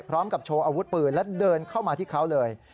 พร้อมกับโชว์อาวุธปืนและเดินเข้ามาที่เขาเลย